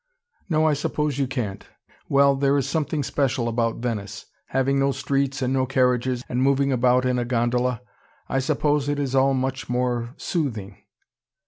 "No, I suppose you can't. Well, there is something special about Venice: having no streets and no carriages, and moving about in a gondola. I suppose it is all much more soothing."